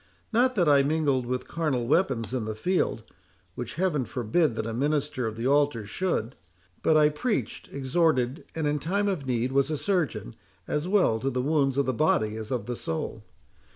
Not that I mingled with carnal weapons in the field—which Heaven forbid that a minister of the altar should—but I preached, exhorted, and, in time of need, was a surgeon, as well to the wounds of the body as of the soul.